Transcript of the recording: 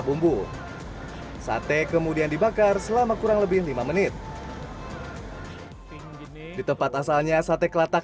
bumbu sate kemudian dibakar selama kurang lebih lima menit di tempat asalnya sate kelatak